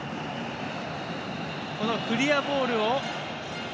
クリアボールを。